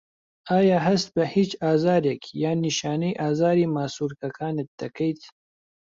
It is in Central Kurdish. ئایا هەست بە هیچ ئازارێک یان نیشانەی ئازاری ماسوولکەکانت دەکەیت؟